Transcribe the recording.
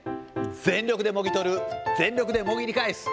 全力でもぎ取る、全力でもぎり返す。